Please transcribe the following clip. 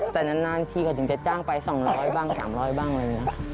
แต่นั้นทีเขาถึงจะจ้างไปสองร้อยบ้างสามร้อยบ้างอะไรอย่างเนี้ยค่ะ